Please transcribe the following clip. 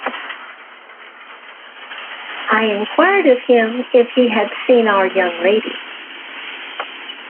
I inquired of him if he had seen our young lady.